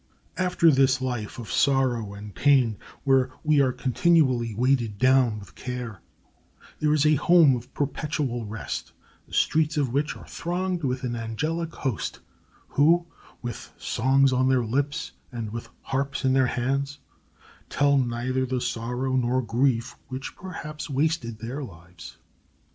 After this life of sorrow and pain, where we are continually weighed down with care, there is a home of perpetual rest, the streets of which are thronged with an angelic host, who, "with songs on their lips and with harps in their hands," tell neither the sorrow nor grief which perhaps wasted their lives.